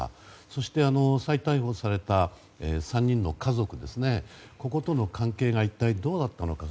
そして、再逮捕された３人の家族こことの関係がどうだったのか。